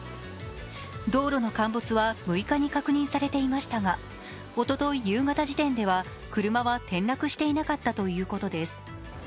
道路の陥没は６日に確認されていましたが、おととい夕方時点では、車は転落していなかったということです。